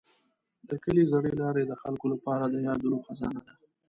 د کلي زړې لارې د خلکو لپاره د یادونو خزانه ده.